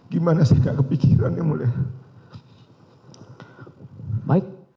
gimana sih kepikirannya mulai